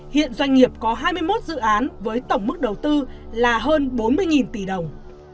hiện doanh nghiệp có hai mươi một dự án với tổng mức đầu tư là hơn bốn mươi tỷ đồng